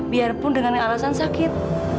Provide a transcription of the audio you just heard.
biarpun dengan alasan sakit